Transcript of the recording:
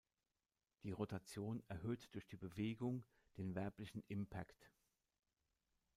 Die Rotation erhöht durch die Bewegung den werblichen Impact.